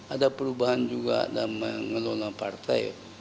ada perubahan juga dalam mengelola partai